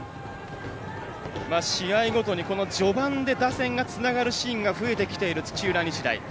試合ごとに序盤で打線がつながるシーンが増えてきている、土浦日大。